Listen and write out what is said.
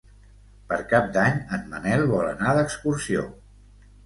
Per Cap d'Any en Manel vol anar d'excursió.